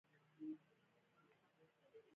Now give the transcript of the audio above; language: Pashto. د امریکا لویه وچه په شمالي امریکا کې پرته ده.